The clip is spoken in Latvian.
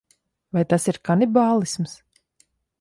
Vai tas ir kanibālisms?